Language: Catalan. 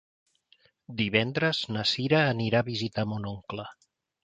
Divendres na Cira anirà a visitar mon oncle.